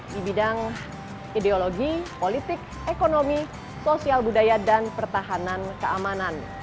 di bidang ideologi politik ekonomi sosial budaya dan pertahanan keamanan